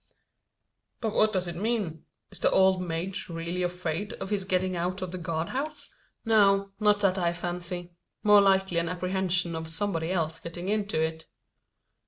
"But what does it mean? Is the old maje really afraid of his getting out of the guard house?" "No not that, I fancy. More likely an apprehension of somebody else getting into it."